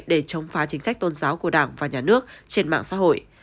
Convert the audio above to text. để chống phá chính sách tôn giáo của đảng và nhà nước trên mạng xã hội